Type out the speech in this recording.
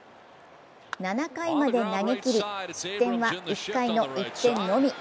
７回まで投げ切り、失点は１回の１点のみ。